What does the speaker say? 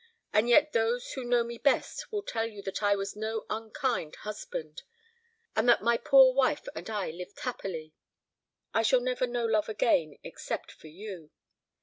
And yet those who know me best will tell you that I was no unkind husband, and that my poor wife and I lived happily. I shall never know love again, except for you.